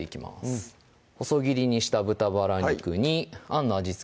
うん細切りにした豚バラ肉にあんの味付け